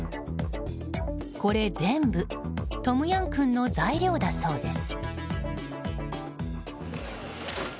これ全部、トムヤムクンの材料だそうです。